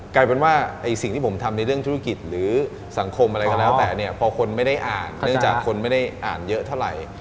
กลายเป็นว่าสิ่งที่ผมทำในเรื่องธุรกิจหรือสังคมอะไรก็แล้วแต่เนี่ยพอคนไม่ได้อ่านเนื่องจากคนไม่ได้อ่านเยอะเท่าไหร่